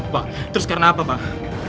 pak terus karena apa pak